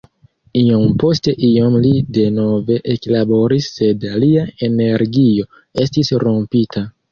Iom post iom li denove eklaboris sed lia energio estis rompita.